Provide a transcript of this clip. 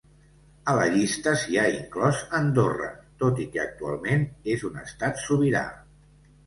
A la llista s'hi ha inclòs Andorra, tot i que actualment és un estat sobirà.